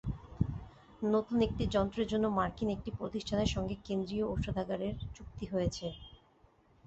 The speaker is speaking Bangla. নতুন একটি যন্ত্রের জন্য মার্কিন একটি প্রতিষ্ঠানের সঙ্গে কেন্দ্রীয় ঔষধাগারের চুক্তি হয়েছে।